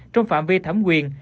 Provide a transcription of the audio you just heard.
trong phạm vi thẩm quyền